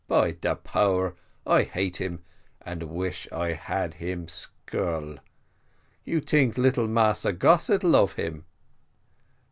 By de power, I hate him, and wish I had him skull. You tink little Massa Gossett love him?"